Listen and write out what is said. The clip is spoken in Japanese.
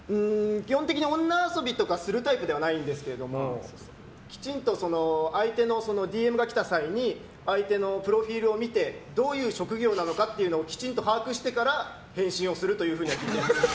基本的に女遊びとかをするタイプではないんですけどもＤＭが来た際に相手のプロフィールを見てどういう職業なのかをきちんと把握してから返信をするとは聞いてます。